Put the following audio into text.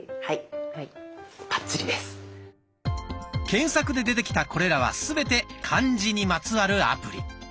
検索で出てきたこれらはすべて「漢字」にまつわるアプリ。